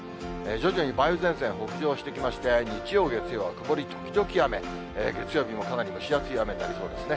徐々に梅雨前線、北上してきまして、日曜、月曜、曇り時々雨、月曜日もかなり蒸し暑い雨になりそうですね。